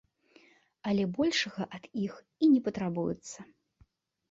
Але большага ад іх і не патрабуецца.